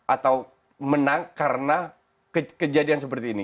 atau menang karena kejadian seperti ini